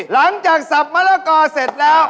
หลังจากซับมะหรอกรอเสร็จแล้ว